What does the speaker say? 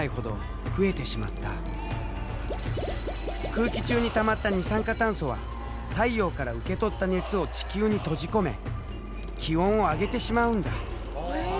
空気中にたまった二酸化炭素は太陽から受け取った熱を地球に閉じ込め気温を上げてしまうんだ。